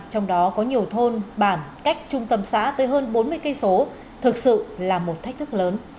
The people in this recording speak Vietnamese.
trong đó có nhiều thôn bản cách trung tâm xã tới hơn bốn mươi km thực sự là một thách thức lớn